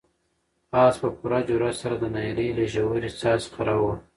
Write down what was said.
آس په پوره جرئت سره د ناهیلۍ له ژورې څاه څخه راووت.